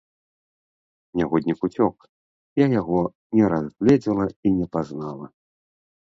Нягоднік уцёк, я яго не разгледзела і не пазнала.